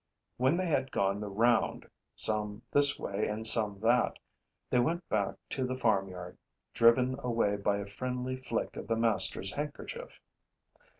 When they had gone the round, some this way and some that, they went back to the farmyard, driven away by a friendly flick of the master's handkerchief.